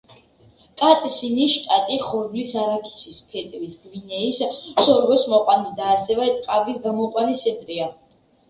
კატსინის შტატი ხორბლის, არაქისის, ფეტვის, გვინეის სორგოს მოყვანის და ასევე ტყავის გამოყვანის ცენტრია.